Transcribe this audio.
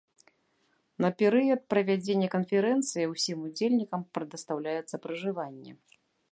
На перыяд правядзення канферэнцыі усім удзельнікам прадастаўляецца пражыванне.